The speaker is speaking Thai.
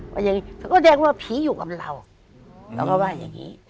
ว่าอย่างงี้ก็แดงว่าผีอยู่กับเราอืมแล้วก็ว่าอย่างงี้